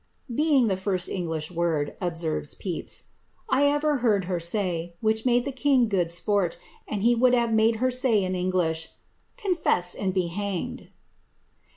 •* being the first English word," observes Pepy*, ^* I ever heard her say, which made the king good sport, and he wooM have made her say in English, ^ Confess, and be hanged.'